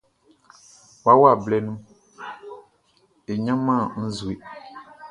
Wawa blɛ nunʼn, e ɲanman nʼzue.